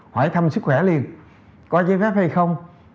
hỏi thăm sức khỏe liệt có giấy phép hay không